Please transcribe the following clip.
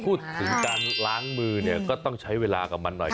พูดถึงการล้างมือเนี่ยก็ต้องใช้เวลากับมันหน่อย